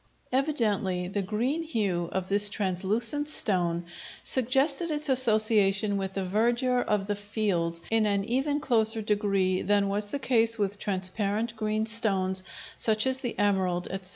Evidently the green hue of this translucent stone suggested its association with the verdure of the fields in an even closer degree than was the case with transparent green stones such as the emerald, etc.